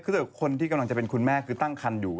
คือแต่คนที่กำลังจะเป็นคุณแม่คือตั้งคันอยู่